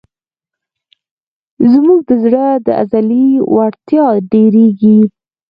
زموږ د زړه د عضلې وړتیا ډېرېږي.